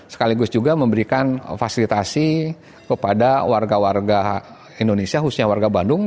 sekaligus juga memberikan fasilitasi kepada warga warga indonesia khususnya warga bandung